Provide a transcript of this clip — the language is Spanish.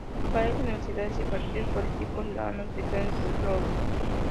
Varias universidades y partidos políticos la han utilizado en sus logos.